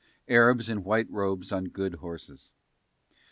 Arabs in white robes on good horses.